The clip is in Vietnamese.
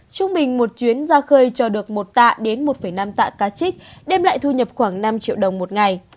trung bình một chuyến ra khơi cho được một tạ đến một năm tạ cá trích đem lại thu nhập khoảng năm triệu đồng một ngày